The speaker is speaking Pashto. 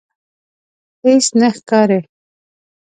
هیڅ نه ښکاري